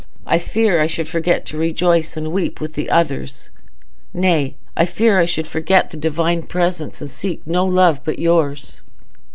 I fear I should forget to rejoice and weep with others; nay, I fear I should forget the Divine presence, and seek no love but yours."